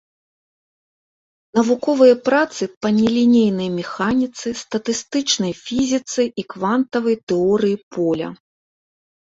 Навуковыя працы па нелінейнай механіцы, статыстычнай фізіцы і квантавай тэорыі поля.